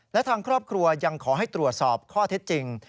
และทางครอบครัวยังขอให้ตรวจสอบข้อเท็จจริง